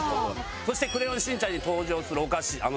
そして『クレヨンしんちゃん』に登場するお菓子チョコビ。